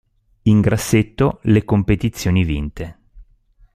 In grassetto le competizione vinte.